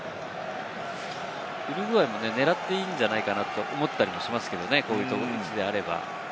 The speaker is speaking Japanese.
ウルグアイも狙っていいんじゃないかなと思ったりもしますけれどもね、こういうときであれば。